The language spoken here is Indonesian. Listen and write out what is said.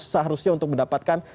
seharusnya untuk mendapatkan